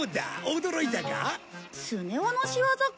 驚いたか？